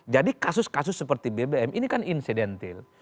jadi kasus kasus seperti bbm ini kan incidental